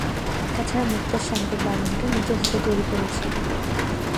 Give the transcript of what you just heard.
তা ছাড়া মোক্তার সাহেবের বাগানটা নিজের হাতে তৈরি করেছি।